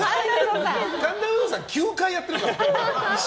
神田うのさん９回やってるから。